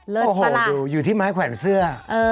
เลิศประหลาดค่ะโอ้โหอยู่ที่ไม้แขวนเสื้อ